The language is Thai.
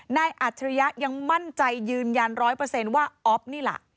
อัจฉริยะยังมั่นใจยืนยัน๑๐๐ว่าอ๊อฟนี่ล่ะ